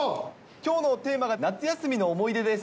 きょうのテーマが、夏休みの思い出です。